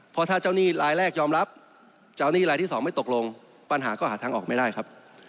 เพราะถ้าเจ้าหนี้รายแรกยอมรับเจ้าหนี้ลายที่สองไม่ตกลงปัญหาก็หาทางออกไม่ได้ครับ